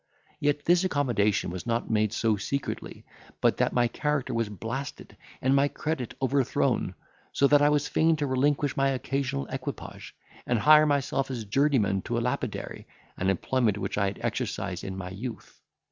Yet this accommodation was not made so secretly, but that my character was blasted, and my credit overthrown; so that I was fain to relinquish my occasional equipage, and hire myself as journeyman to a lapidary, an employment which I had exercised in my youth.